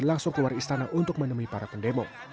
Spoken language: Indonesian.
langsung keluar istana untuk menemui para pendemo